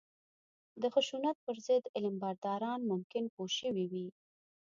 د خشونت پر ضد علمبرداران ممکن پوه شوي وي